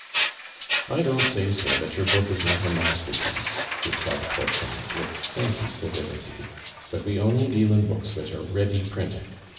"I don't say, sir, that your book is not a masterpiece," replied Porchon, with scanty civility, "but we only deal in books that are ready printed.